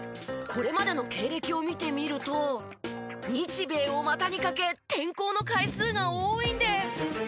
これまでの経歴を見てみると日米を股にかけ転校の回数が多いんです。